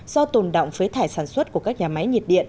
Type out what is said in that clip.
do tồn động phế thải sản xuất của các nhà máy nhiệt điện